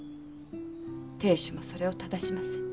亭主もそれをただしません。